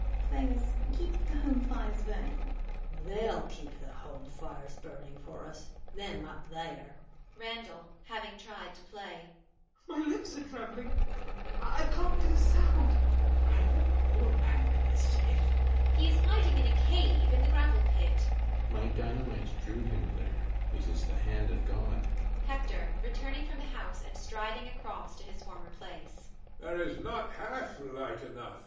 Play us "Keep the home fires burning." NURSE GUINNESS [grimly]. THEY'LL keep the home fires burning for us: them up there. RANDALL [having tried to play]. My lips are trembling. I can't get a sound. MAZZINI. I hope poor Mangan is safe. MRS HUSHABYE. He is hiding in the cave in the gravel pit. CAPTAIN SHOTOVER. My dynamite drew him there. It is the hand of God. HECTOR [returning from the house and striding across to his former place]. There is not half light enough.